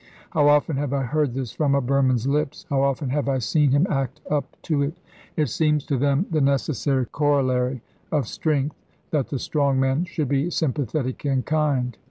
How often have I heard this from a Burman's lips! How often have I seen him act up to it! It seems to them the necessary corollary of strength that the strong man should be sympathetic and kind.